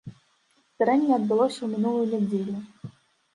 Здарэнне адбылося ў мінулую нядзелю.